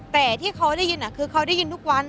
แต่ที่เขาได้ยินคือเขาได้ยินทุกวัน